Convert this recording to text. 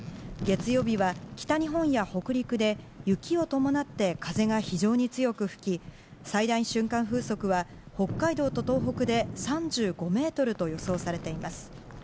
月曜日は、北日本や北陸で雪を伴って風が非常に強く吹き最大瞬間風速は、北海道と東北で３５メートルと予想されています。